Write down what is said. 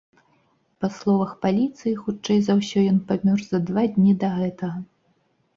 Па словах паліцыі, хутчэй за ўсё, ён памёр за два дні да гэтага.